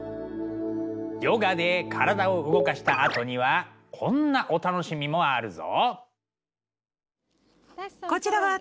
ヨガで体を動かしたあとにはこんなお楽しみもあるぞ。